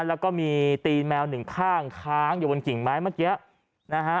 แล้วก็มีตีนแมวหนึ่งข้างค้างอยู่บนกิ่งไม้เมื่อกี้นะฮะ